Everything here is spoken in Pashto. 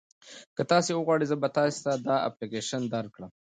که تاسي وغواړئ زه به تاسي ته دا اپلیکیشن درکړم.